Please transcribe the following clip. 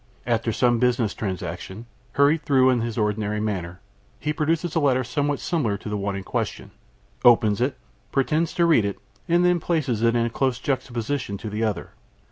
After some business transactions, hurried through in his ordinary manner, he produces a letter somewhat similar to the one in question, opens it, pretends to read it, and then places it in close juxtaposition to the other.